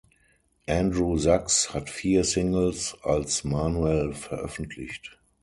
Andrew Sachs hat vier Singles als Manuel veröffentlicht.